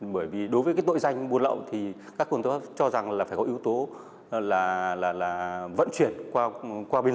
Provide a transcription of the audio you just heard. đối với tội danh buôn lậu thì các cơ quan tư pháp cho rằng là phải bắt lại nguyễn thị hiền